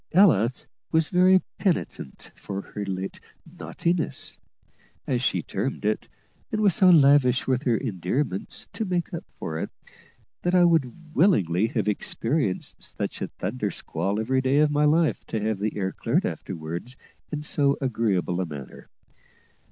Ella was very penitent for her late "naughtiness," as she termed it, and was so lavish with her endearments, to make up for it, that I would very willingly have experienced such a "thunder squall" every day of my life to have the air cleared afterwards in so agreeable a manner.